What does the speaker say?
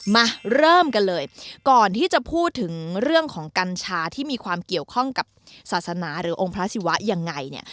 มาเริ่มกันเลยก่อนที่จะพูดถึงเรื่องของกัญชาที่มีความเกี่ยวข้องกับศาสนาหรือองค์พระศิวะยังไงเนี่ย